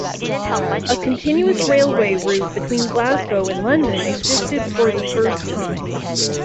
A continuous railway route between Glasgow and London existed for the first time.